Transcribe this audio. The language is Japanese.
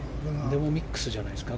ミックスじゃないですか。